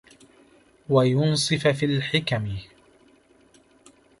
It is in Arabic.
وَيُنْصِفَ فِي الْحِكَمِ